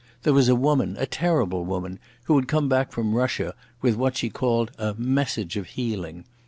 There was a woman, a terrible woman, who had come back from Russia with what she called a "message of healing".